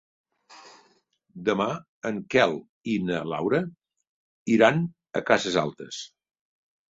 Demà en Quel i na Laura iran a Cases Altes.